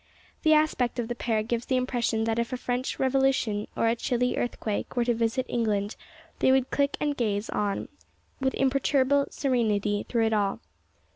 The aspect of the pair gives the impression that if a French Revolution or a Chili earthquake were to visit England they would click and gaze on with imperturbable serenity through it all.